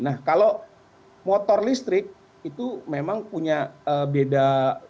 nah kalau motor listrik itu memang punya beda